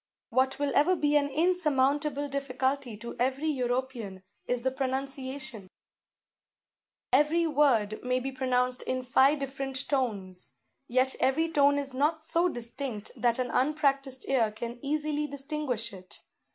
What will ever be an insurmountable difficulty to every European is the pronunciation; every word may be pronounced in five different tones, yet every tone is not so distinct that an unpractised ear can easily distinguish it.